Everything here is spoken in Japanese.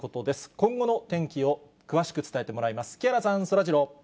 今後の天気を詳しく伝えてもらいます。